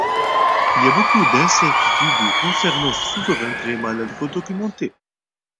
Il y a beaucoup d'incertitudes concernant ce souverain très mal documenté.